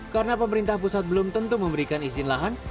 karena pemerintah pusat belum tentu memberikan izin lahan